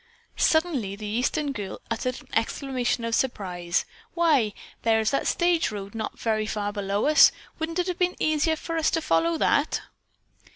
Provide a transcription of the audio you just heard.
Suddenly the Eastern girl uttered an exclamation of surprise. "Why, there is the stage road not very far below us. Wouldn't it have been easier for us to follow that?"